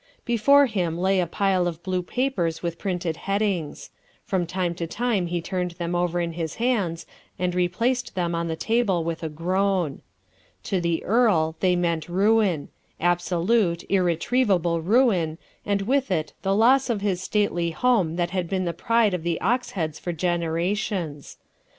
Before him lay a pile of blue papers with printed headings. From time to time he turned them over in his hands and replaced them on the table with a groan. To the earl they meant ruin absolute, irretrievable ruin, and with it the loss of his stately home that had been the pride of the Oxheads for generations.